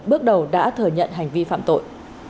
bước đầu đã thở nhận hành vi phạm tội